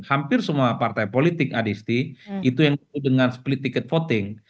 hampir semua partai politik adisti itu yang disebut dengan split ticket voting